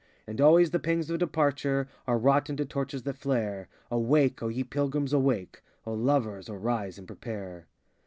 And always the pangs of departure Are wrought into torches that flare. Awake, O ye Pilgrims, awake! O Lovers, arise and prepare.